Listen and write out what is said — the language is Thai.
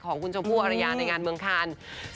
ของคุณชมพู่อรยาในงานเมืองคาน